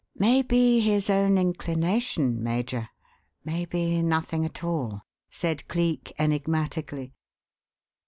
"Maybe his own inclination, Major maybe nothing at all," said Cleek, enigmatically.